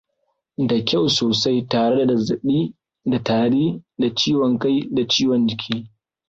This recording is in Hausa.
Da kyau sosai tare da zazzabi da tari da ciwon kai da jiwon jiki